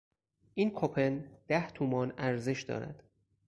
این کوپن ده تومان ارزش دارد.